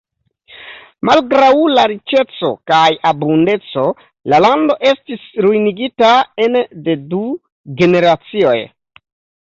Malgraŭ la riĉeco kaj abundeco la lando estis ruinigita ene de du generacioj.